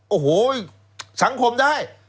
โอ้โหสังคมได้